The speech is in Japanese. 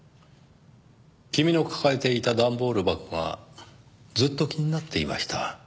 君の抱えていた段ボール箱がずっと気になっていました。